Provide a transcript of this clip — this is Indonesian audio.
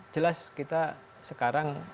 jelas kita sekarang